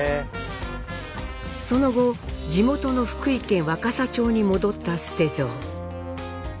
その後地元の福井県若狭町に戻った捨蔵。